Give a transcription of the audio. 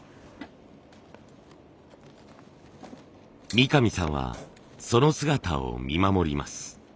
三上さんはその姿を見守ります。